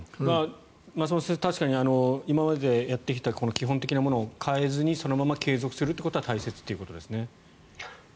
松本先生、確かに今までやってきた基本的なものを変えずにそのまま継続することは大切ということですね。